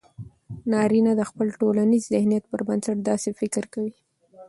نارينه د خپل ټولنيز ذهنيت پر بنسټ داسې فکر کوي